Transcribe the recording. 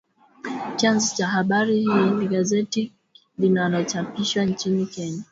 Chanzo cha habari hii ni gazeti linalochapishwa nchini Kenya